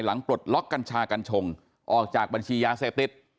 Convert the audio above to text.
ปลดล็อกกัญชากัญชงออกจากบัญชียาเสพติด